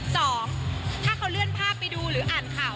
สองถ้าเขาเลื่อนภาพไปดูหรืออ่านข่าว